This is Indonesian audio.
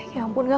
ya ampun nga